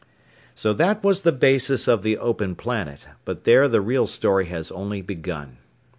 So that was the basis of the Open Planet, but there the real story has only begun.